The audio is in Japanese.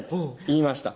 言いました